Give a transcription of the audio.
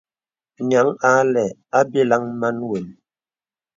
Nyaŋ a lɛ̂ àbyə̀laŋ màn wən.